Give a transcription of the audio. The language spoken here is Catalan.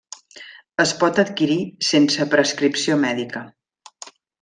Es pot adquirir sense prescripció mèdica.